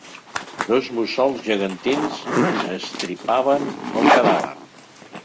Dos mussols gegantins estripaven el cadàver.